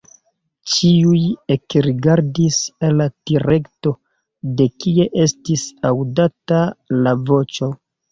Ĉiuj ekrigardis al la direkto, de kie estis aŭdata la voĉo.